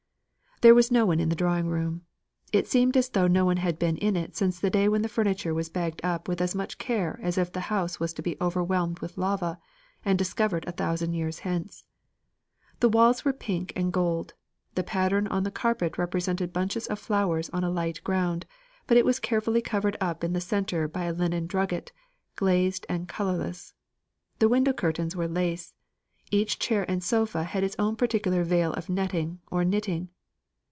There was no one in the drawing room. It seemed as though no one had been in it since the day when the furniture was bagged up with as much care as if the house was to be overwhelmed with lava, and discovered a thousand years hence. The walls were pink and gold; the pattern on the carpet represented bunches of flowers on a light ground, but it was carefully covered up in the centre by a linen drugget, glazed and colourless. The window curtains were lace; each chair and sofa had its own particular veil of netting or knitting.